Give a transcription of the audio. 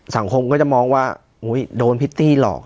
สังคมก็จะมองว่าโดนพิตตี้หลอก